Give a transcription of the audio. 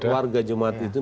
warga jemaat itu